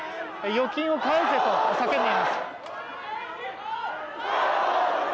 預金を返せと叫んでいます。